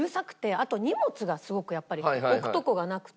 あと荷物がすごくやっぱり置くとこがなくて。